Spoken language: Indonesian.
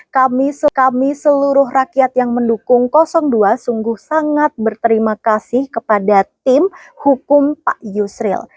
kami seluruh rakyat yang mendukung dua sungguh sangat berterima kasih kepada tim hukum pak yusril